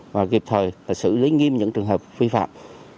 và kịp thời xử lý nghiêm những trường hợp vi phạm